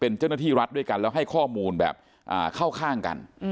เป็นเจ้าหน้าที่รัฐด้วยกันแล้วให้ข้อมูลแบบเข้าข้างกัน